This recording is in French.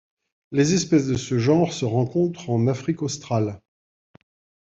Les espèces de ce genre se rencontrent en Afrique australe.